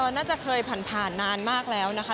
น่าจะเคยผ่านนานมากแล้วนะคะ